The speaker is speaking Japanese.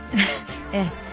ええ。